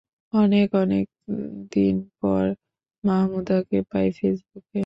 অনেক অনেক অনেক দিন পর, মাহমুদাকে পাই ফেসবুকে।